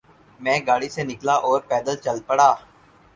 میں گاڑی سے نکلا اور پیدل چل پڑا۔